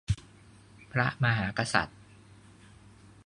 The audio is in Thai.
พระมหากษัตริย์